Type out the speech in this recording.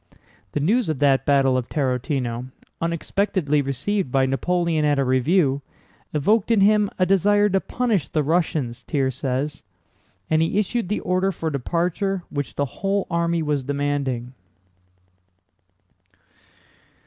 The news of that battle of Tarútino, unexpectedly received by Napoleon at a review, evoked in him a desire to punish the Russians (Thiers says), and he issued the order for departure which the whole army was demanding.